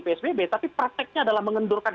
psbb tapi prakteknya adalah mengendurkan